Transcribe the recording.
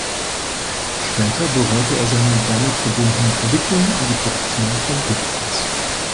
Später bereute er seine damit verbundene Verwicklung in die Produktion von Giftgas.